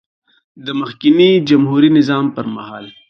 د مخکېني جمهوري نظام پر مهال